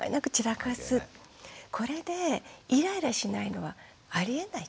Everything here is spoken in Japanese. これでイライラしないのはありえない。